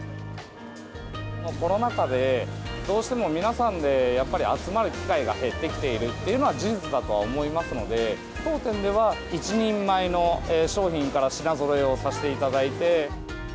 コロナ禍でどうしても皆さんで集まる機会が減ってきているっていうのは、事実だとは思いますので、当店では、１人前の商品から品ぞろえをさせていただいて。